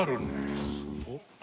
すごっ！